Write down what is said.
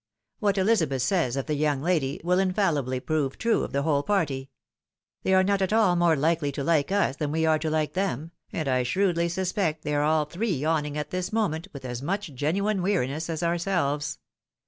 What Elizabeth says of the young lady, will infallibly prove true of the whole party. They are not at all more likely to like us than we are to like them, and I shrewdly suspect they are all three yawning at this moment with as much genuine weariness as ourselves.